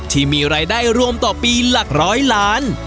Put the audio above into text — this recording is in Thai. ที่มีรายได้รวมต่อปีหลักร้อยล้าน